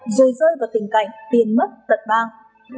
rơi rơi vào tình cảnh tiền mất tận bang